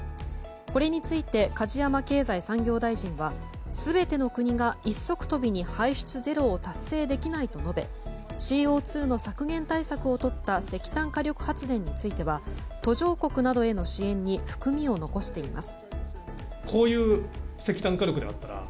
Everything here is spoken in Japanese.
これについて梶山経済産業大臣は全ての国が一足飛びに排出ゼロを達成できないと述べＣＯ２の削減対策をとった石炭火力発電については途上国などへの支援に含みを残しています。